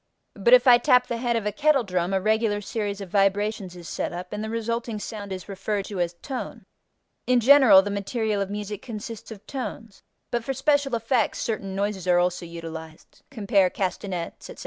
But if I tap the head of a kettle drum, a regular series of vibrations is set up and the resulting sound is referred to as tone. In general the material of music consists of tones, but for special effects certain noises are also utilized (cf. castanets, etc.).